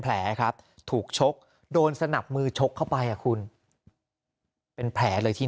แผลครับถูกชกโดนสนับมือชกเข้าไปอ่ะคุณเป็นแผลเลยที่